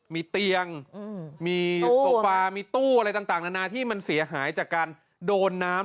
มีเตียงมีโซฟามีตู้อะไรต่างนานาที่มันเสียหายจากการโดนน้ำ